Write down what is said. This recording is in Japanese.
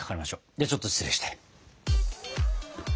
ではちょっと失礼して。